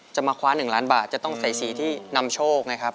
จะมาคว้า๑ล้านบาทจะต้องใส่สีที่นำโชคนะครับ